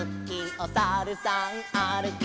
「おさるさんあるき」